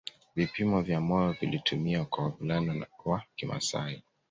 Vipimo vya moyo vilitumiwa kwa wavulana wa kimasai